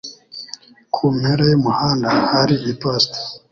Ku mpera yumuhanda hari iposita.